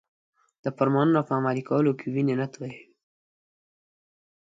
د فرمانونو په عملي کولو کې وینې نه تویوي.